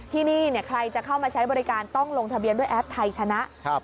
ที่นี่ใครจะเข้ามาใช้บริการต้องลงทะเบียนด้วยแอปไทยชนะ